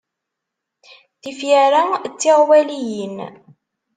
Tifyar-a d tiɣwaliyin.